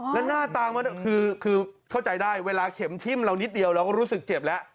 แล้วหน้าตามันคือเข้าใจได้เวลาเข็มทิ้มเรานิดเดียวเราก็รู้สึกเจ็บแล้ว